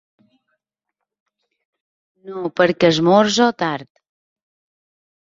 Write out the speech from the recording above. No, perquè esmorzo tard.